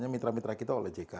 mitra mitra kita oleh jk